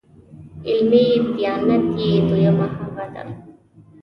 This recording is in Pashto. علمي دیانت یې دویمه هغه ده.